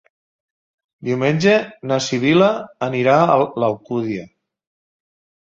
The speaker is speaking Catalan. Diumenge na Sibil·la anirà a l'Alcúdia.